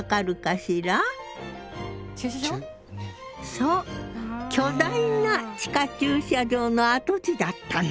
そう巨大な地下駐車場の跡地だったの！